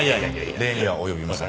礼には及びません。